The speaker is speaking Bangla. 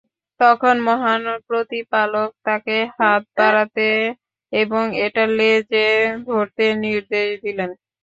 তখন মহান প্রতিপালক তাকে হাত বাড়াতে এবং এটার লেজে ধরতে নির্দেশ দিলেন।